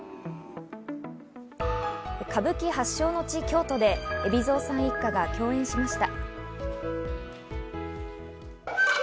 歌舞伎発祥の地・京都で海老蔵さん一家が共演しました。